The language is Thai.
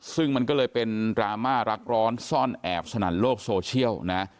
ซึ่งมันก็เลยเป็นดราม่ารักร้อนซ่อนแอบสนั่นโลกโซเชียลนะ